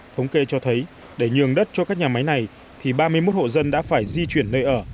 thống kê cho thấy để nhường đất cho các nhà máy này thì ba mươi một hộ dân đã phải di chuyển nơi ở